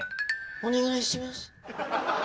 お願いします。